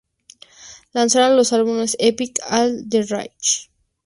Lanzaron los álbumes: "Epic", "All the Rage!!